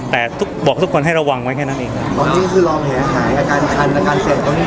แต่ทุกบอกทุกคนให้ระวังไว้แค่นั้นเองตอนนี้ก็คือรอแผลหายอาการคันอาการเจ็บตรงนี้